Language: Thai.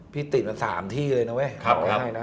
พี่ติดวัน๓ที่เลยครับ